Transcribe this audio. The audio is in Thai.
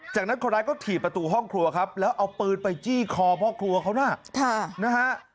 จากนั้นคนร้ายก็ถีบประตูห้องครัวครับแล้วเอาปืนไปจี้คอพ่อครัวเขานะฮะ